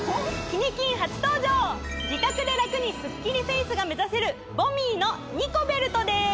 「キニ金」初登場自宅でラクにスッキリフェイスが目指せるＶＯＮＭＩＥのニコベルトです